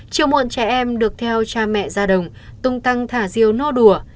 chiều muộn trẻ em được theo cha mẹ ra đồng tung tăng thả diều no đủ